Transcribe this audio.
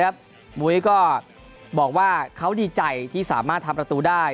มุ้ยก็บอกว่าเขาดีใจที่สามารถทำประตูได้